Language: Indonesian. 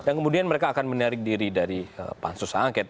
dan kemudian mereka akan menarik diri dari pansus h angke